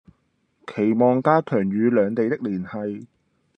期望加強與兩地的聯繫